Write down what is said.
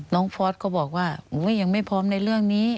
น้องฟอสก็บอกว่าหนูยังไม่พร้อมในเรื่องนี้